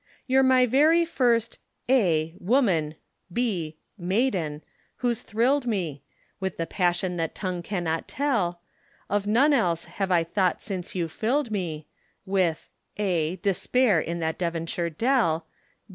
You're the very first { woman } who's thrilled me { maiden } With the passion that tongue cannot tell. Of none else have I thought since you filled me With { despair in that Devonshire dell.